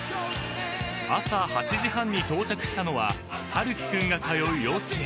［朝８時半に到着したのは陽樹君が通う幼稚園］